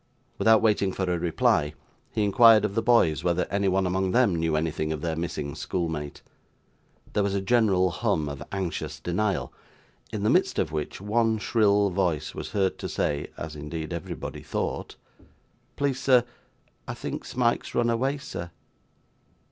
Without waiting for a reply, he inquired of the boys whether any one among them knew anything of their missing schoolmate. There was a general hum of anxious denial, in the midst of which, one shrill voice was heard to say (as, indeed, everybody thought): 'Please, sir, I think Smike's run away, sir.